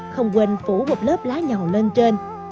không quên phủ một lớp lá nhầu lên trên